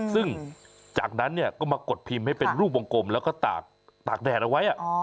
ซึ่งจากนั้นก็มากดพิมพ์ให้เป็นรูปวงกลมแล้วก็ตากแดดเอาไว้